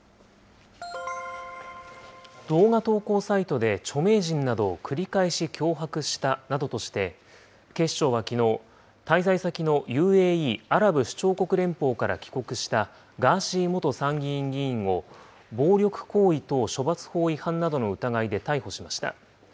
動画投稿サイトで著名人などを繰り返し脅迫したなどとして、警視庁はきのう、滞在先のＵＡＥ・アラブ首長国連邦から帰国した、ガーシー元参議院議員を、暴力行為等処罰法違反などの疑いで逮捕しました。